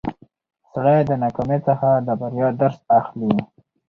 سړی د ناکامۍ څخه د بریا درس اخلي